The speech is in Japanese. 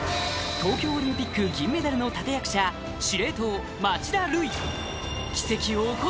東京オリンピック銀メダルの立役者司令塔・町田瑠唯